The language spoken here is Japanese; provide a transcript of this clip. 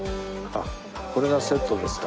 あっこれがセットですか。